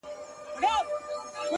څنگه به هغه له ياده وباسم!!